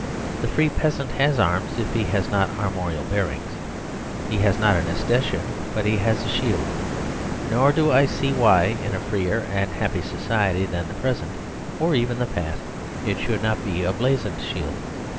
The free peasant has arms if he has not armorial bearings. He ♦•••• The Superstition of Divorce 47 has not an escutcheon; but he has a shield. Nor do I see why, in a freer and happier so ciety than the present, or even the past, it should not be a blazoned shield.